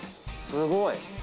すごい。